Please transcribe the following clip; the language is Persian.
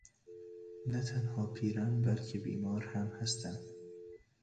نه تنها پیرم بلکه بیمار هم هستم.